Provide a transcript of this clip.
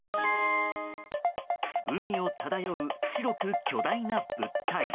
海を漂う白く巨大な物体。